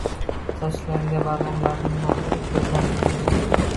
Sochlariga barmoqlarini botirib, ko‘zlarini yumdi.